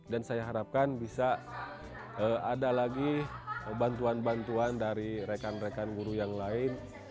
saya harapkan bisa ada lagi bantuan bantuan dari rekan rekan guru yang lain